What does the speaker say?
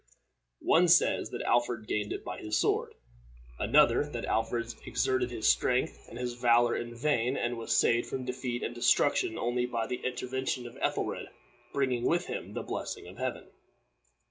One says that Alfred gained it by his sword. Another, that Alfred exerted his strength and his valor in vain, and was saved from defeat and destruction only by the intervention of Ethelred, bringing with him the blessing of Heaven.